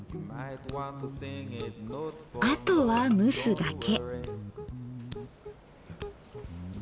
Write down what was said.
あとは蒸すだけ。